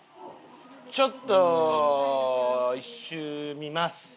ちょっと１周見ます。